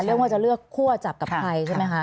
ว่าจะเลือกคั่วจับกับใครใช่ไหมคะ